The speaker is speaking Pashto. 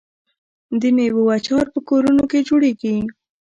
د میوو اچار په کورونو کې جوړیږي.